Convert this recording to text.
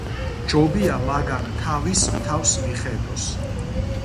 ჯობია მაგან თავის თავს მიხედოს!